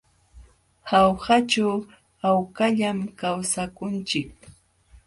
Jaujaćhu hawkallam kawsakunchik.